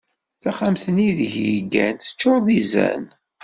Taxxamt-nni ideg yeggan teččur d izan.